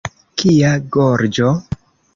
Kia gorĝo!